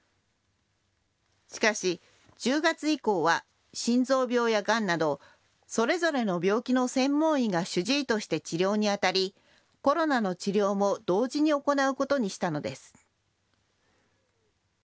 しかし１０月以降は心臓病やがんなどそれぞれの病気の専門医が主治医として治療にあたりコロナの治療も同時に行うことにしたのです。